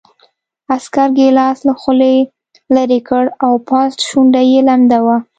عسکر ګیلاس له خولې لېرې کړ او پاس شونډه یې لمده وه